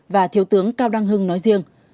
và thiếu tướng cao đăng hưng nói riêng